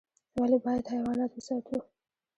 ولي بايد حيوانات وساتو؟